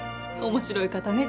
面白い方ね。